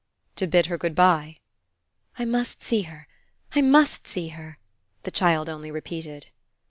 "To bid her good bye?" "I must see her I must see her," the child only repeated.